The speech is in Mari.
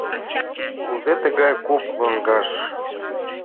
Кузе тыгай куп лоҥгаш